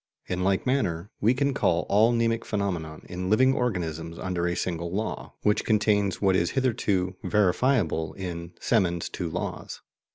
In like manner, we can collect all mnemic phenomena in living organisms under a single law, which contains what is hitherto verifiable in Semon's two laws.